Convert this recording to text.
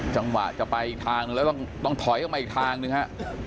จังหวะจะไปอีกทางแล้วต้องต้องถอยเข้ามาอีกทางหนึ่งฮะ